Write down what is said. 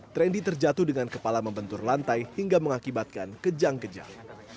trendy terjatuh dengan kepala membentur lantai hingga mengakibatkan kejang kejang